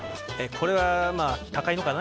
これはまあ高いのかな？